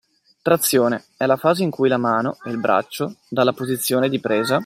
Trazione: è la fase in cui la mano (e il braccio) dalla posizione di presa